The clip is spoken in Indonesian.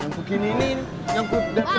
yang begini gini yang udah kemen